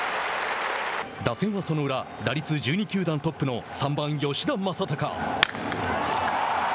打線はその裏打率１２球団トップの３番吉田正尚。